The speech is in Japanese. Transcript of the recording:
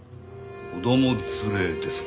子供連れですか。